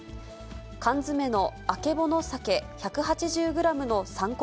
缶詰のあけぼのさけ１８０グラムの参考